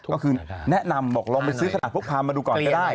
ก็คือแนะนำบอกลองไปซื้อขนาดพกพามาดูก่อนก็ได้